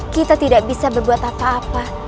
kita tidak bisa berbuat apa apa